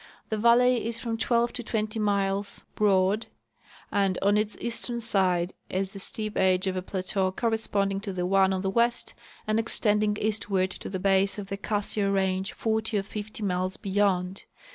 The valley is from twelve to twenty miles broad, and on its eastern side is the steep edge of a plateau corresponding to the one on the west and extending eastward to the base of the Cas siar range, forty or fifty miles beyond.